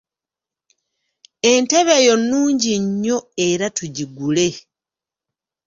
Entebe eyo nnungi nnyo era tugigule.